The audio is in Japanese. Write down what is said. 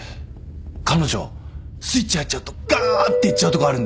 彼女スイッチ入っちゃうとがっていっちゃうとこあるんで。